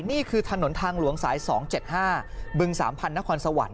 นี่คือถนนทางหลวงสาย๒๗๕บึงสามพันธุ์นครสวรรค์